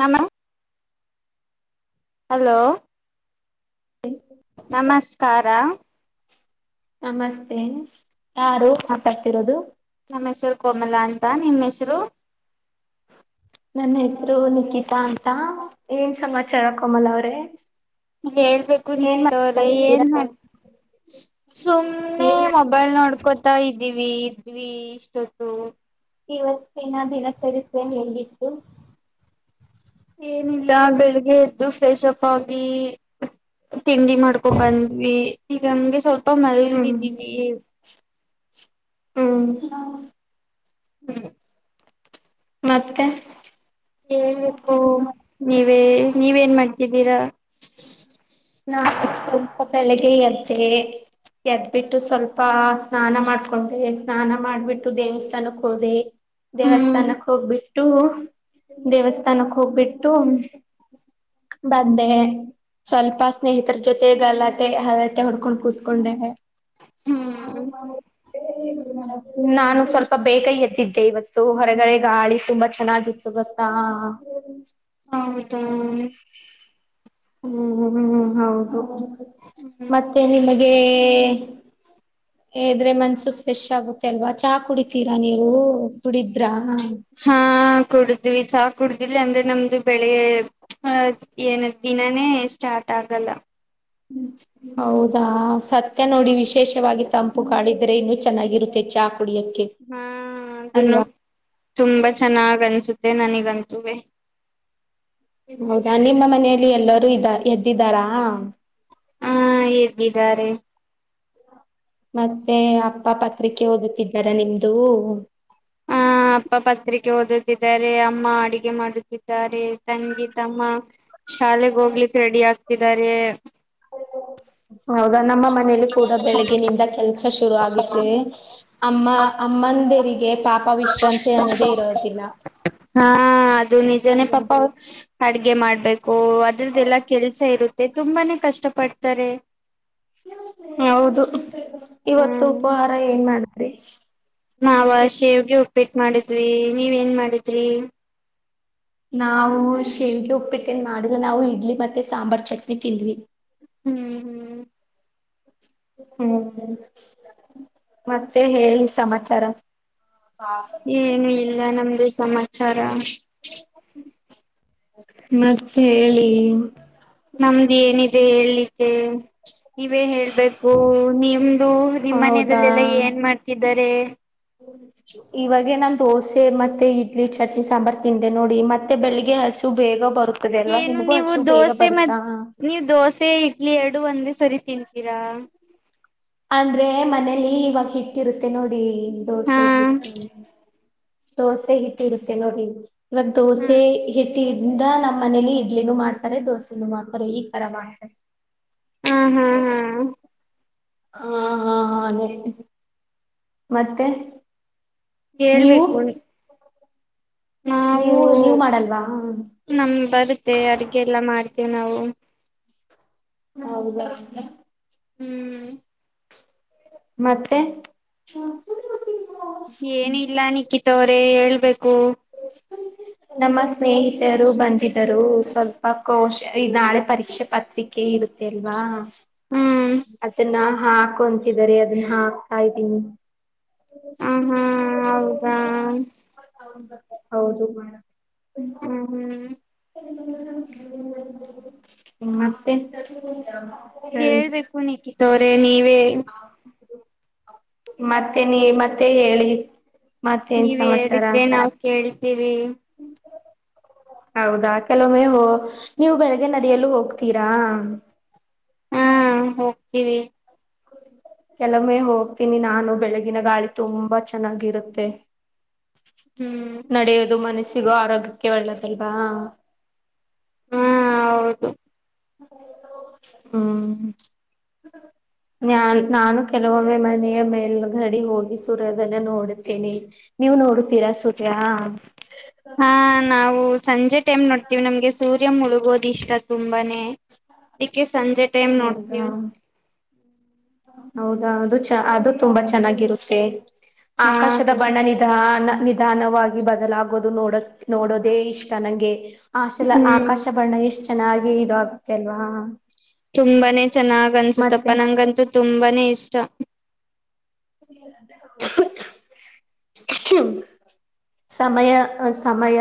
ನಾಮ್ಯಾಮ. Hello. [unintelligible] ನಮಸ್ಕಾರ ನಮಸ್ತೆ ಯಾರು, ಮಾತಾಡ್ತಿರೋದು ನಮ್ಮ್ ಹೆಸರು ಕೋಮಲ ಅಂತ ನಿಮ್ಮ್ ಹೆಸರು? ನನ್ನ ಹೆತ್ರು ನಿಕಿತಾ ಅಂತ ಏನ್ ಸಮಾಚಾರ ಕಮಲ್ ಅವ್ರೇ. ಹೇಳ್ಬೇಕು ರಿತಿಕವ್ರೆ ಏನ್ ಮಾಡ ಸುಮ್ಮ್ನೆ ಏನ ಮೊಬೈಲ್ ನೋಡ್ಕೊತಾ ಇದ ದವಿ ದ್ವಿಷ್ಟತು. ಇವತ್ತಿನ ದಿನಚರಿತೆಯ ಹೇಗಿತ್ತು. ಏನಿಲ್ಲ ಬೆಳಿಗ್ಗೆ ಎದ್ದು ಫ್ರೆಶ್ ಅಪ್ ಆಗಿ ತಿಂಡಿ ಮಾಡ್ಕೊಕೊಂಡ್ವಿ ಈಗ ನಮ್ಗೆ ಸ್ವಲ್ಪ. ಮಲಗ್ ಹ್ಮ್ ಬಿಟ್ಟಿದಿವಿ. ಹ್ಮ್... ಹ್ಮ... ಮತ್ತೆ. ಹಳ್ಬೇಕು ನೀವು. ಏ ನೀವೇನ್ ಮಾಡ್ತಿದ್ದೀರಾ. ನಾ. ಪಲಕಯಾತ್ರೆ. ಎದ್ಬಿಟ್ಟು ಸ್ವಲ್ಪ. ಸ್ನಾನ ಮಾಡ್ಕೊಂಡೆ ಸ್ನಾನ ಮಾಡ್ಬಿಟ್ಟು ದೇವಸ್ಥಾನಕ್ ಹೋದೆ ಹ್ಮ್ ದೇವಸ್ಥಾನಕ್ಕೆ ಹೋಗ್ಬಿಟ್ಟು ದೇವಸ್ಥಾನಕ್ ಹೋಗ್ಬಿಟ್ಟು ಬಂದೆ ಸ್ವಲ್ಪ. ಸ್ನೇಹಿತರ ಜೊತೆಗ ಗಲಾಟೆ ಹರಟೆ ಹೊಡ್ಕೊಂಡ್ ಕೂತ್ಕೊಂಡೆ. ಹಾ ಹ್ಮ್ ಹ. ಹ್ಮ್ ಉಮೇನುಪ್. ನಾನು ಸ್ವಲ್ಪ ಬೇಗ ಎದ್ದೆ. ಏ ಇವತ್ತು ಹೊರಗಡೆ ಗಾಳಿ ತುಂಬಾ ಚೆನ್ನಾಗಿತ್ತುವತ್ತಾ ಹೌದು ಹ್ಮ್್ಮ್ ಹ್ಮ್ ಹ್ಮ್ ಹೌದು ಹ್ಮ್ ಮತ್ತೆ ನಿಮಗೇ. ಇದ್ರೆ ಮನ್ಸು ಫ್ರೆಶ್ ಆಗುತ್ತೆ ಅಲ್ವಾ ಚಾ ಕುಡಿತೀರಾ ನೀವು ಕುದುಡಿದ್ರ ಹಾ ಕುಡತವಿ ಚಾ ಕುಡವಿ ಇಲ್ಲಅಂದ್ರೆ ನಮ್ದು ಬೆಳೆ ಏನ ದಿನಾನೇ ಸ್ಟಾರ್ಟ್ ಆಗಲ್ಲ ಹೌದಾ ಸತ್ಯ ನೋಡಿ ವಿಶೇಷವಾಗಿ ತಂ ನೀವು ಕಾಡಿದ್ರೆ ಇನ್ನುೂ ಚೆನ್ನಾಗಿರುತ್ತೆ ಚಾಕ್ ಹಾ ಅದುನು ತುಂಬಾ ಚೆನ್ನಾಗ್ ಅನ್ಸುತ್ತೆ. ಅದೆ ನಂಗೆ ಅನ್ಸಿದೆ. ಹೌದಾ ನಿಮ್ಮ ಮನೆಯಲ್ಲಿ ಎಲ್ಲರೂ ಇದ ಎದ್ದಿದ್ದಾರಾ ಹಾ ಹೇಗಿದ್ದಾರೆ ಮತ್ತೆ ಅಪ್ಪ ಪತ್ರಿಕೆ ಓದುತ್ತಿದ್ದಾರ ನಿಮ್ಮದೂ ಹ ಅಪ್ಪ ಪತ್ರಿಕೆ ಓದುತ್ತಿದ್ದಾರೆ ಅಮ್ಮ ಅಡಿಗೆ ಮಾಡುತ್ತಿದ್ದಾರೆ ತಂಗಿ ತಮ್ಮ. ಶಾಲೆೆಗ್ ಹೋಗ್ಲಿಕ್ ರೆಡಿ ಆಗ್ ಹಾರೆ [inaudible] ಹೌದ ಹೌದಾ ನಮ್ಮ ಮನೇಲಿ ಕೂಡ ಬೆಳಗಿನಿಂದ ಕೆಲಸ ಶುರು ಆಗುತ್ತೆ ನಮ್ಮ ಅಮ್ಮಂದಿರಿಗೆ ಪಾಪ ವಿಶ್ರಾಂತಿ ಅನ್ನೋದೇ ಇರೋದಿಲ್ಲ ಹಾ ಅಲ್ವಾ ಅಡುಗೆ ಮಾಡ್ಬೇಕು ಅದ್ರದ್ದೆಲ್ಲಾ ಕೆಲಸ ಇರುತ್ತೆ ತುಂಬಾನೇ ಕಷ್ಟ ಪಡ್ತಾರೆ ಹೌದು ಇವತ್ತು ಹ್ಮ್ ಉಪಹಾಹಾರ ಏನ್ ಮಾಡ ಅದೇ [inaudible] ನವ ಶೇವಗೆಉಪ್ಪಿ ಉಪ್ಪೆಟ್ ಮಾಡಿದ್ವಿ ನೀವೇನ್ ಮಾಡಿದ್ರಿ ನಾವು ಶೇವಗೆ ಉಪ್ಪಿಟ್ಟನ್ ಮಾಡಿದ ನಾವು ಇಡ್ಲಿ ಮತ್ತೆ ಸಾಂಬಾರ್ ಚಟ್ನಿ ತಿಂದ್ವಿ ಹ್ಮ್ ಹ್ಮ್ [inaudible] ಉ ಮತ್ತೆ ಹೇಳಿ ಸಮಾಚಾರ ಏನು ಇಲ್ಲ ನಮ್ದು ಸಮಚಾರ ಚರಾ [inaudible] ಮತ್ತೆ ಹೇಳಿ ನಮ್ದೆ ಏನಿದೆ ಹೇಳ್ಲಿಕ್ಕೆ ನೀವೇ ಹೇಳ್ಬೇಕು ನಿಮ್ದು ನಿಮ್ಮ್ ಹೌದಾ ಮನಲ್ಲೆಲ್ಲ ಏನ್ ಮಾಡ್ತಿದ್ದಾರೆ, ೇ [inaudible] ಇವಾಗೆ ನಾನ್ ದೋಸೆ ಮತ್ತೆ ಇಡ್ಲಿ ಚಟ್ನಿ ಸಾಂಬರ ತಿಂದೆ ನೋಡಿ ಮತ್ತೆ ಬೆಳಿಗ್ಗೆ ಹಸು ಬೇಗ ಬರು ಏನು ನೀವು ದೋಸೆ ಮತ್ತು ದೋಸೆ ಇಡ್ಲಿ ಎರಡು ಒಂದೇ ಸರಿ ತಿತ್ತೀರಾ ಅಂದ್ರೆ ಮನೆಯಲ್ಲಿ ಇವಾಗ ಹಿಟ್ಟು ಇರುತತ್ತೆ ನೋಡಿ ದೋಸೆ ಹಾ ಇಡ್ಲಿ ದೋಸೆಗೆ ಹಿಟ್ಟು ಇರುತ್ತೆ ನೋಡಿ ಇವತ್ತು ಹ್ಮ್ ದೋಸೆ ಹಿಟ್ಟು ಇಂದ ನಮ್ನ ಮನೇಲಿ ಇಡ್ಲಿನೂ ಮಾಡ್ತಾರೆ ದೋಸೆನೂ ಮಾಡ್ತಾರೆ ಈ ತರ ಮಾಡ್ತಾರೆ ಹಹ್ ಹಹ್ ಹಹ್ ಹಾ ಹಾ ಹಾ ಮತ್ತೆ ನೀವು ಹೇಳಬೇಕು ನಾವು ನೀವು ನೀವ್ ಮಾಡಲ್ವಾ ನಮ ಬರುತ್ತೆ ಅದಾಕೆ ಎಲ್ಲಾ ಮಾಡ್ತೀವಿ ನಾವು ಹೌದಾ ಹು ಮತ್ತೆ ಹ್ಮ್ ಏನ್ನುಇಲ್ಲ ನೀಕಿತಾ ತ್ತವ್ರೇ ಹೇಳ್ಬೇಕು ನಮ್ಮಸ್ ಸ್ನೇಹಿತರು ಬಂದಿದ್ದರು ಸ್ವಲ್ಪ ಕೋಶ ಈ ನಾಳೆ ಪರೀಕ್ಷೆ ಪತ್ರಿಕೆ ಇರುತ್ತೆ ಅಲ್ವಾ ಹ್ಮ್ ಅದನ್ನ ಹಾ ಹಾಕೊಂತಿದಾರೆ ಅದನ್ನ ಹಾತಾ ಇದ್ದೀನಿ ಹ ಹಾ ಹೌದಾ ಹೌದು ಮ ಹ್ಮ್ ಹ್ಮ್ ಮತ್ತೆ ಹೇಳ್ಬೇಕು ನಿಕಿತಾ ಅವರೇ ನೀವೇ. ಮತ್ತೆ ನೀ ಮತ್ತೆ ಹೇಳಿ ಮತ್ತೇನ್ ನೀವ್ ಸಮಾಚಾರ ಹೇಳಿದ್ರೆ ನಾಾವವು ಕೇಳ್ತೀವಿ ಹೌದಾ ಕೆಲವೊಮ್ಮೆ ಹ ನೀವು ಬೆಳಗ್ಗೆ ನಡಿಯಲು ಹೋಗ್ತೀರಾ ಹಾ ಹೋಗ್ತೀವಿ ಕೆಲಮ್ಮೆ ಹೋಗ್ತೀನಿ ನಾನು ಬೆಳಗಿನ ಗಾಳಿ ತುಂಬಾ ಚೆನ್ನಾಗಿರುತ್ತೆ ಹ್ಮ್ ನಡೆಯೋದು ಮನಸ ಸಿಗೋ ಆರೋಗ್ಯಕ್ಕೆ ಒಳ್ಳದಲ್ವಾ ಹ ಹ್ಮ್ ನಾನ್ ನಾನು ಕೆಲವೊಮ್ಮೆ ಮನೆಯ ಮೇಲ್ಗಡಿ ಹೋಗಿ ಸೂರ್ಯೋದನ್ನ ನೋಡುತ್ತೇನೆ ನೀವು ನೋಡುತ್ತೀರಾ ಸೂರ್ಯ. ಹಾ ನಾವು ಸಂಜೆ ಟೈಮ್ ನೋಡ್ತೀವಿ ನಮಗೆ ಸೂರ್ಯ ಮುಳುಗೋದು ಇಷ್ಟತ್ ತುಂಬಾನೇ ಕ್ಕೆೆ ಸಂಜೆ ಟೈಮ್ ಹೌದಾ ನೋಡ್ತೀವಿ ಹೌದಾ ಅದು ಚ ಅದು ತುಂಬಾ ಚೆನ್ನಾಗಿರುತ್ತೆ ಹಾ ಆಕಾಶದ ಬಣ್ಣ ನಿಧ ನಿಧಾನವಾಗಿ ಬದಲಾಗೋದು ನೋಡಕ್ ನೋಡೋದೇ ಇಷ್ಟ ನಂಗೆ ಆ ಶಲ ಹ್ಮ್ ಆಕಾಶ ಬರಣಣ ಎಷ್ಟು ಚೆನ್ನ ಹಾಗೆ ಇ ಆಗುತ್ತೆ ಅಲ್ವಾ ತುಂಬಾನೇ ಚೆನ್ನಾಗ್ ಅನ್ಸುತ್ತಪ್ಪ ಮತ್ತೆ ನಂಗಂತು ತುಂಬಾನೇ ಇಷ್ಟ ಸಮಯ ಸಮಯ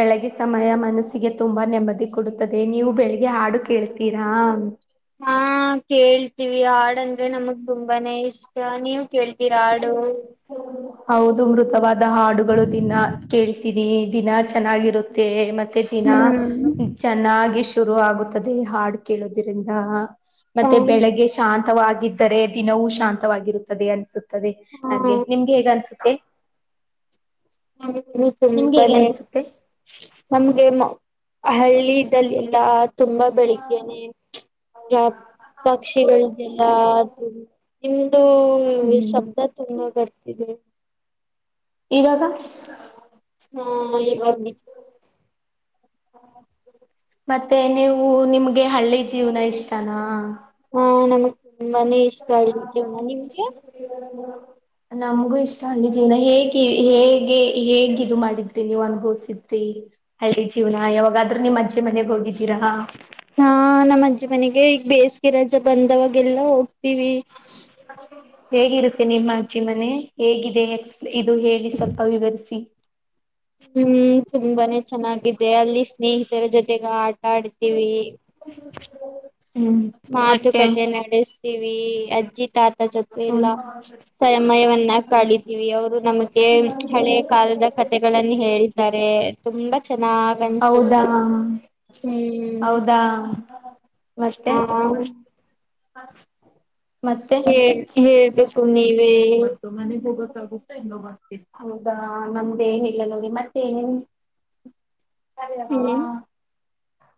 ಬೆಳಗ್ಗೆ ಸಮಯ ಮನಸ್ಸಿಗೆ ತುಂಬಾ ನೆಮ್ಮದಿ ಕೊಡುತ್ತದೆ ನೀವು ಬೆಳಿಗ್ಗೆ ಹಾಡು ಕೇಳ್ತೀರಾ ಹಾ ಕೇಳ್ತೀವಿ ಹಾಡ ಅಂದ್ರೆ ನಮಗ್ ತುಂಬಾನೇ ಇಷ್ಟ ಹೌದ ನೀವ್ ಕೇಳ್ ಇರಾಡು ಹೌದು ಮೃತವಾದ ಹಾಡುಗಳು ದಿನ ಕೇಳ್ತೀನಿ ದಿನ ಚೆನ್ನಾಗಿರುತ್ತೆ ಮತ್ತೆ ದಿನಾ ಚೆನ್ನಾಗಿ ಶುರು ಆಗುತ್ತದೆ ಹಾಡು ಕೇಳೋುದ್ರಿಂದ ಹ ಮತ್ತೆ ಬೆಳಗ್ಗೆ ಶಾಂತಿ ಮಿತವಾಗಿದ್ದರೆ ದಿನವೂ ಶಾಂತವಾಗಿರುತ್ತದೆ ಅನ್ಸುತ್ತೆ ತ್ತದೇ ಹಾ ಹಾಗೆ ಹೇಗ ಅನ್ಸುತ್ತೆ ನಿಮ್ಗೆ ಹೇಗೆ ತುಂಬಾನೇ ಅನ್ಸುತ್ತೆ ನಮ್ಗೆ ಹಳ್ಳಿ ಇದಲ್ಲಿ ಎಲ್ಲ ತುಂಬಾ ಬೆಳಿಗ್ಗೆನೆ ಪ್ರಾ ಪಕ್ಷಿಗಳದೆಲ್ಲ ಅದು ಹುಂ ದು ದು ಹ್ಮ್ ಶಬ್ದ ತುಂಬರ್ತಿದೆ ಈವಾಗ ಹಾ ಈಗ ಬನ್ನಿ ಮತ್ತೆ ನೀವು ನಿಮ್ಗೆ ಹಳ್ಳಿ ಜೀವನ ಇಷ್ಟಾನ ಮನೆ ಇಷ್ಟ [unintelligible] ನಿಮ್ಗೆ ನಮಗೂ ಇಷ್ಟ ಹಳ್ಳಿ ಜೀವನ ಹೇಗೆ ಹೇಗೆ ಹೇಗ್ ಇದು ಮಾಡಿದ್ರಿ ನೀವ್ ಅನುಭವ್ಸಿದ್ರಿ ಹಳ್ಳಿ ಜೀವನ ಯಾವಾಗಾದ್ರೂ ನೀಮ್ ಅಜ್ಜೆ ಮನೆಾಗ ಹೋಗಿದ್ದೀರಾ ಹಾ ನಮ್ಮ್ ಅಜ್ಜಿ ಮನೆಗೆ ಈಗ ಬೇಸಿಗೆ ರಜ ಬಂದವಾಗೆಲ್ಲ ಹೋಗ್ತೀವಿ ಹೇಗಿರುತ್ತೆ ನಿಮ್ಮ ಅಜ್ಜಿ ಮನೆ ಹೇಗಿದೆ ಎಕ್ಸ್ಪ್ ಇದು ಹೇಳಿ ಸ್ವಲ್ಪ ವಿವರಿಸಿ ಹ್ಮ್ ತುಂಬಾನೇ ಚೆನ್ನಾಗಿದೆ ಅಲ್ಲಿ ಸ್ನೇಹಿತರ ಜೊತೆಗೆ ಆಟ ಆಡ್ತೀವಿ ಹ್ಮ್ ಅಷ್ಟೇ ಮಾತುಕತೆ ನಡೆ ಯಿವ್ವಿ ಅಜ್ಜಿತ್ ತಾತ ಜೊತೆ ಎಲ್ಲ ಹ್ಮ್ ಸಮಯವನ್ನ ಕಳಿತೀವಿ ಅವರು ನಮಗೆ ಹಳೆಯ ಕಾಲದ ಕಥೆಗಳನ್ನ ಹೇಳಿದ್ದಾರೆ ತುಂಬಾ ಚೆನ್ನಾಗ್ ಹೌದಾ ಅನ್ಸುತ್ತೆ ಹ್ಮ್ ಹೌದಾ ಮತ್ತೆ ಹಾ ಹ ಹೆ ಹೇಳ್ಬೇಕು ನೀವೇ. ಹೌದಾ ನಮ್ದ ಏನಿಲ್ಲ ನೋಡಿ ಮತ್ತೆ [unintelligible] ಹೆಂಗಿದ್ದೀರಾ ಮಾವಾ. ಹ್ಮ್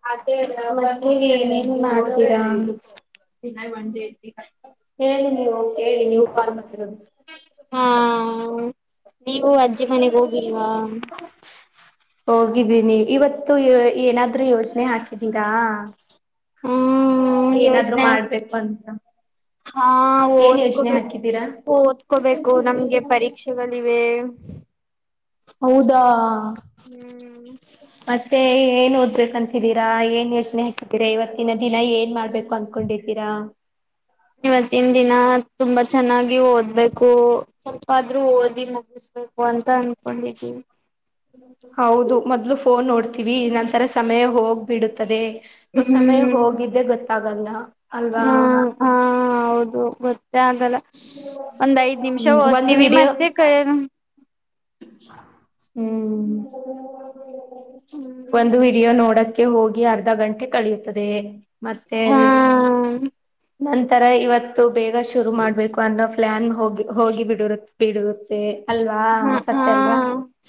ಮತ್ತೆ ನೀವೇನ್ ಮಾಡ್ತೀರಾ ಹೇಳಿ ನೀವು ಹೇಳಿ ನೀವು ಕಾಲ್ ಮಾಡ್ತಿರೋದು. ಹಾ--. ನೀವು ಅಜ್ಜಿ ಮನೆಗ್ ಹೋಗಿಲ್ವಾ ಹೋಗಿದ್ದೀನಿ ಇವತ್ತು ಏನಾದ್ರು ಯೋಜನೆ ಹಾಕಿದೀರಾ ಹ್ಮ್ ಏನಾದ್ರು ಯೋಜನೆ ಮಾಡ್ಬೇಕು ಅಂತ ಹಾ ಏನ್ ಯೋಜನೆ ಓದ್ಕೋಬೇಕು ಹಾಕಿದ್ದೀರಾ ಓದ್ಕೋಬೇಕು ನಮ್ಗೆ ಪರೀಕ್ಷೆಗಳಿವೆ. ಹೌದಾ--. ಹುಂ--. ಮತ್ತೆ ಏನ್ ಓದ ಬೇಕು ಅಂತಿದ್ದೀರಾ ಏನ್ ಯೋಚನೆ ಹಾಕ್ಕಿದೀರಾ ಇವತ್ತಿನ ದಿನ ಏನ್ ಮಾಡ್ಬೇಕು ಅಂದಕೊಂಡಿದ್ದೀರಾ ಇವತ್ತಿನ ದಿನ ತುಂಬಾ ಚೆನ್ನಾಗಿ ಓದ್ಬೇಕು ಸ್ವಲ್ಪಾದ್ರೂ ಓದಿ ಮುಗಿಸ್ಬೇಕು ಅಂತ ಅನ್ಕೊಂಡಿದ್ವಿ--. ಹೌದು ಮೊದ್ಲು ಫೋನ್ ನೋಡ್ತೀವಿ ನಂತರ ಸಮಯ ಹೋಗ್ಬಿಡುತ್ತೆ. ಹೊ ಸಮಯ ಹ್ಮ್ ಹೋಗಿದ್ದೆ ಗೊತ್ತ--. ತಗದ್ನಾ ಅಲ್ವಾ ಹಾ ಹಾ ಹೌದು ಗೊತ್ತೇ ಆಗಲ್ಲ ಒಂದ್ ಐದ್ ನಿಮಿಷ ಒಂದು ಓದ್ತೀವಿ ವಿಡಿಯೋ ಮತ್ತೆ. [unintelligible] ಹ್ಮ್ ಒಂದು ವಿಡಿಯೋ ನೋಡಕ್ಕೆ--. ಕೆ ಹೋಗಿ ಅರ್ಧ ಗಂಟೆ ಕಳಿಯುತ್ತದೆ ಮತ್ತೆ ಹಾ ಹೇಳ್. ನಂತರ ಇವತ್ತು ಬೇಗ ಶುರು ಮಾಡ್ಬೇಕು ಒಂದ್ ಪ್ಲಾನ್ ಹೋಗಿ ಹೋಗಿ ಬಿಡರುತ್ತೆ ಬಿಡುರತ್ತೆ. ಅಲ್ವಾ ಹಾ ಹಾ ಸತ್ಯ ಅಲ್ವಾ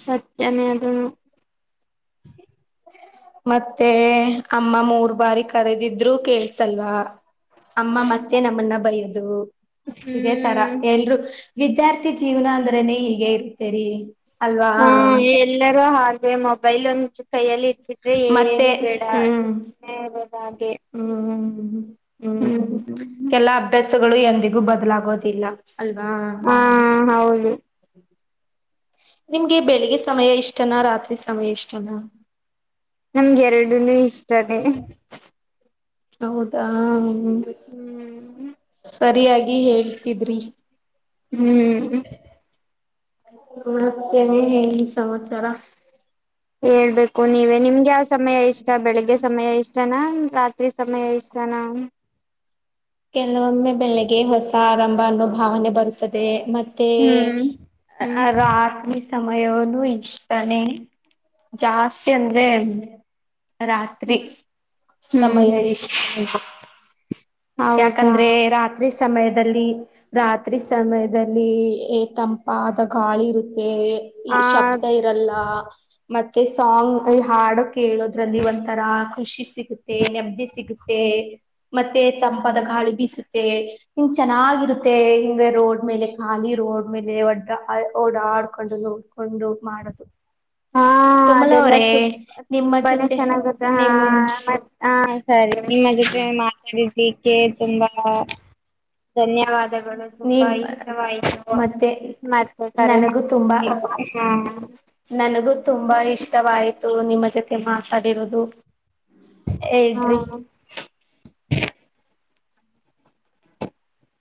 ಸತ್ಯನೇ ಅ--. ಮತ್ತೆ ಅಮ್ಮ ಮೂರ್ ಬಾರಿ ಕರೆದಿದ್ರು ಕೇಳ್ಸಲ್ವಾ. ಅಮ್ಮ ಮತ್ತೆ ನಮ್ಮನ್ನ ಬಯಲಿ. ಅ ಇದೇ ತರ ಹ್ಮ್ ಎಲ್ರು ವಿದ್ಯಾರ್ಥಿ ಜೀವನ ಆದ್ರನೆ ಹೀಗೆ ಇರ್ತೇರಿ. ಅಲ್ವಾ ಹಾ ಎಲ್ಲರೂ ಹಾಗೆ--. ದೇ ಮೊಬೈಲ್ ಒಂದು ಕೈಯಲ್ಲಿ--. ಇದ್ರೆ ಮತ್ತೆ ಏನು ಬೇಡ ಹ್ಮ್ ಸುಮ್ಮನೆ [unintelligible] ಹುಂ. ಹ್ಮ್ ಎಲ್ಲಾ ಅಭ್ಯಾಸ--. ತಗೋಳಿ ಎಂದಿಗೂ ಬದಲಾಗೋದಿಲ್ಲ. ಅಲ್ವಾ ಹಾ ಹೌದು ನಿಮ್ಗೆ ಬೆಳಿಗ್ಗೆ ಸಮಯ ಇಷ್ಟನಾ ರಾತ್ರಿ ಸಮಯ ಇಷ್ಟನಾ. ನಮ್ಗೆ ಎರಡನೇ ಇಷ್ಟ. ಹ್ಮ ಹೌದಾ [unintelligible] ಹ್ಮ್ ಸರಿಯಾಗಿ ಹೇಳ್ತಿದ್ರಿ. ಹ್ಮ್್ಮ ನಡತೇನೆ ಹೇಳಿ ಸಮಾಚಾರ ಹೇಳ್ಬೇಕು ಹಾಕ್ಕ ನೀವೆ ನಿಮ್ಗೆ ಯಾವ ಸಮಯ ಇಷ್ಟ ಬೆಳಿಗ್ಗೆ ಸಮಯ ಇಷ್ಟನಾ ರಾತ್ರಿ ಸಮಯ ಇಷ್ಟನಾ ಕೆಲವೊಮ್ಮೆ ಬೆಳೆಗೆ ಹೊಸ ಆರಂಭ ಅನ್ನೋ ಭಾವನೆ ಬರುತ್ತದೆ ಮತ್ತೆ ಹ್ಮ್ ಹ್ಮ್ ರಾತ್ ಸಮಯನು ಇಷ್ಟತಾನೆ ಜಾಸ್ತಿ ಹ್ಮ್ ಅಂದ್ರೆ ರಾತ್ರಿ ಹ್ಮ್ ಸಮಯ ಹ್ಮ್ ಇಷ್ಟ ಹೌದಾ ಯಾಕಂದ್ರೆ ರಾತ್ರಿ ಸಮಯದಲ್ಲಿ ರಾತ್ರಿ ಸಮಯದಲ್ಲಿ ತಂಪಾದ ಗಾಳಿ ಇರುತ್ತ ಮತ್ತೇ ಈ ಆ ಶಬ್ದ ಇರಲ್ಲ ಮತ್ತೆ ಸಾಂಗ್ ಈ ಹಾಡು ಕೇಳೋದ್ರಲ್ಲಿ ಒಂಥರ ಖುಷಿ ಸಿಗುತ್ತೆ ನೆಮ್ಮದಿ ಸಿಗುತ್ತೆ ಮತ್ತೆ ತಂಪದ ಗಾಳಿ ಬೀಸುತ್ತೆ ಹಿಂಗ ಚೆನ್ನಾಗಿರುತ್ತೆ ಹಿಂಗ ರೋಡ್ ಮೇಲೆ ಖಾಲಿ ರೋಡ್ ಮೇಲೆಡ್ರ ಓಡಾಡ್ಕೊಂಡು ನೋಡ್ಕೊಂಡು ಮಾಡದು ಹಾ ಅದೆಲ್ಲ ತು ನಿಮ್ಮ ತುಂಬಾನೇ ಜೊತೆ ಚೆನ್ನಾಗ ನಿಮ್ ಹ ಹ ಸರಿ ನಿಮ್ಮ ಜೊತೆ ಮಾತಾಡಿದಿ ತುಂಬಾ ಧನ್ಯವಾದಗಳು ತುಂಬಾ ನಿಮ್ ಇಷ್ಟವಾಯಿತು ಮತ್ತೆ ಮತ್ತೆ ಕರೆ ನನಗೂ ಮಾಡ ತುಂಬಾ ನನಗೂ ತುಂಬಾ ಇಷ್ಟವಾಯ್ತು ನಿಮ್ಮ ಜೊತೆ ಮಾತಾಡಿರುೋದು ಹಾ